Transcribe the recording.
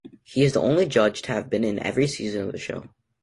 He is the only judge to have been in every season of the show.